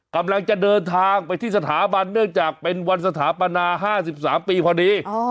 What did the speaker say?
กำลังจะเดินทางไปที่สถาบันเนื่องจากเป็นวันสถาปนา๕๓ปีพอดี